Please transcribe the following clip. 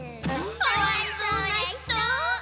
かわいそうな人！